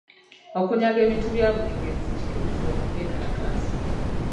Okunyaga ebintu ebya buli ngeri tekikkirizibwa mu kwekalakaasa.